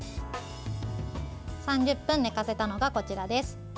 ３０分寝かせたのが、こちらです。